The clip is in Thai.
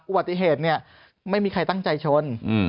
อุบัติเหตุเนี่ยไม่มีใครตั้งใจชน